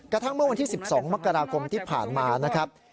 กระทั่งเมื่อวันที่๑๒มกราคมที่ผ่านมานะครับ